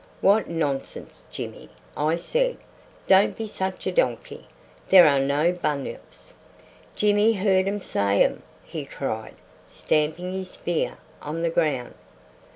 "What nonsense, Jimmy!" I said. "Don't be such a donkey. There are no bunyips." "Jimmy heard um say um!" he cried, stamping his spear on the ground.